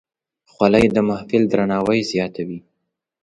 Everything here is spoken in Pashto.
خولۍ د محفل درناوی زیاتوي.